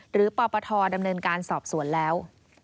ปปทดำเนินการสอบสวนแล้ว